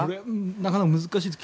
なかなか難しいです。